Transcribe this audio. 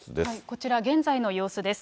こちら、現在の様子です。